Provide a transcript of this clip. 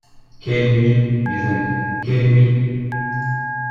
Quelle nuit... mes amis, quelle nuit!...